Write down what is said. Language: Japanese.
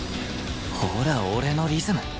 ほら俺のリズム